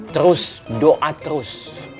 terus doa terus